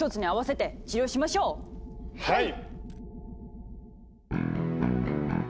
はい！